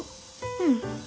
うん。